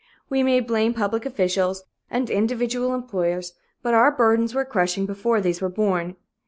We may blame public officials and individual employers, but our burdens were crushing before these were born.